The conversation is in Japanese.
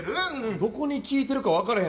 どこに効いてるか分からへん